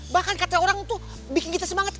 bahkan kata orang tuh bikin kita semangat